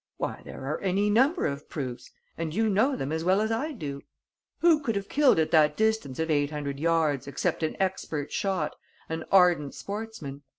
"Why, there are any number of proofs; and you know them as well as I do. Who could have killed at that distance of eight hundred yards, except an expert shot, an ardent sportsman?